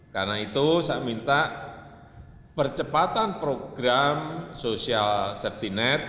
karena itu saya minta percepatan program social safety net